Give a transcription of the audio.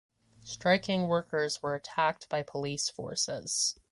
Striking workers were attacked by police forces.